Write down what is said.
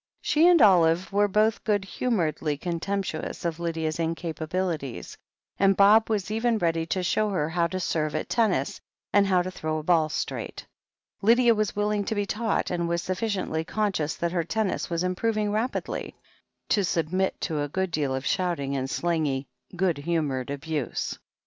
She and Olive were both good htunouredly contemp tuous of Lydia's incapabilities, and Bob was even ready to show her how to serve at tennis, and how to throw a ball straight. Lydia was willing to be taught, and was sufficiently conscious that her tennis was improv ing rapidly, to submit to a good deal of shouting and slangy, good htunoured abuse.